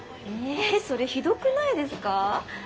えそれひどくないですか？